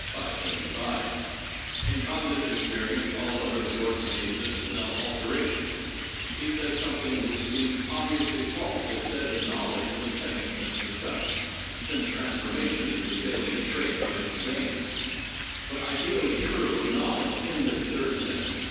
575) "in cognitive experience all other sorts may exist without alteration," he says something which seems obviously false if said of knowledge in the second sense discussed (since transforma tion is the salient trait of its things), but ideally true of knowledge in this third sense.